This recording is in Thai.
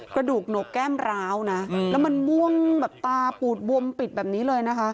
กระดูกหนกแก้มร้าวนะแล้วมันม่วงแบบตาปูดบวมปิดแบบนี้เลยนะคะ